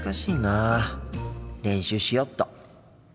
練習しよっと。